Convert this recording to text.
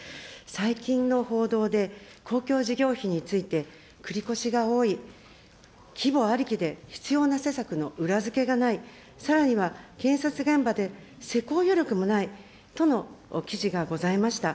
最近の報道で、公共事業費について繰り越しが多い、規模ありきで必要な施策の裏付けがない、さらには建設現場で施工余力もないとの記事がございました。